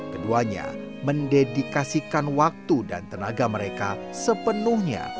keduanya mendedikasikan waktu dan tenaga mereka sepenuhnya